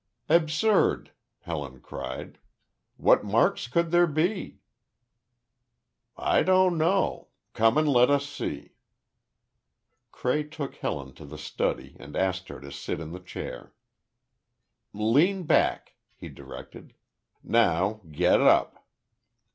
"Absurd!" Helen cried; "what marks could there be?" "I don't know. Come and let us see." Cray took Helen to the study, and asked her to sit in the chair. "Lean back," he directed. "Now, get up."